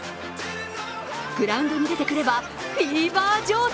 グラウンドに出てくればフィーバー状態。